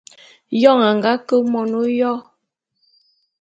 Éyoň a nga ke mon ôyo.